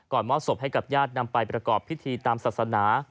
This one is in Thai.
มอบศพให้กับญาตินำไปประกอบพิธีตามศาสนา